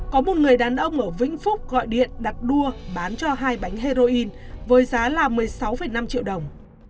có một người đàn ông ở vĩnh phúc gọi điện đặt đua bán cho hai bánh heroin với giá là một mươi sáu năm triệu đồng